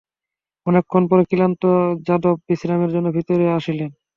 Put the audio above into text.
অনেকক্ষণ পরে ক্লান্ত যাদব বিশ্রামের জন্য ভিতরে আসিলেন।